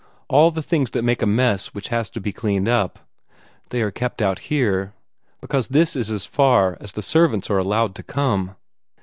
All the things that make a mess which has to be cleaned up they are kept out here because this is as far as the servants are allowed to come."